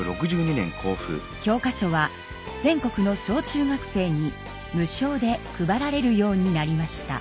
教科書は全国の小中学生に無償で配られるようになりました。